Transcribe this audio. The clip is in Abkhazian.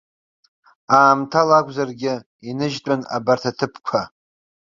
Аамҭала акәзаргьы, иныжьтәын абарҭ аҭыԥқәа.